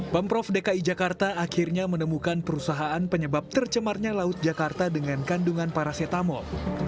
pemprov dki jakarta akhirnya menemukan perusahaan penyebab tercemarnya laut jakarta dengan kandungan paracetamol